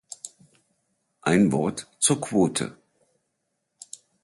Ein Wort zur Quote.